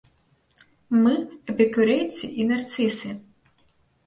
Мы эпікурэйцы і нарцысы!